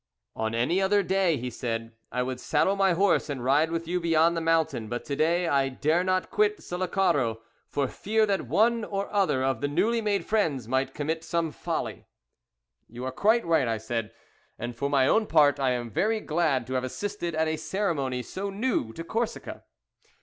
"On any other day," he said, "I would saddle my horse, and ride with you beyond the mountain, but to day I dare not quit Sullacaro for fear that one or other of the newly made friends might commit some folly." "You are quite right," I said; "and for my own part, I am very glad to have assisted at a ceremony so new to Corsica."